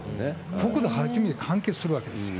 ここで初めて完結するわけですよ。